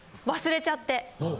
忘れちゃって。